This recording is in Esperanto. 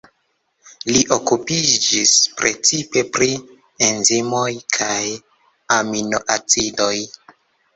Li okupiĝis precipe pri enzimoj kaj Aminoacidoj.